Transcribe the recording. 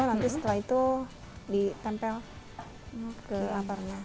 nanti setelah itu ditempel ke laparnya